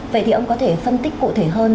vậy thì ông có thể phân tích cụ thể hơn